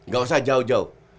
gak usah jauh jauh